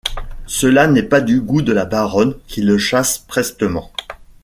Cela n'est pas du gout de la baronne qui le chasse prestement.